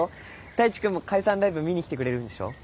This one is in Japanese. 太一君も解散ライブ見に来てくれるんでしょ？